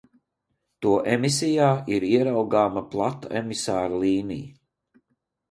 To emisijā ir ieraugāma plata emisāra līnija.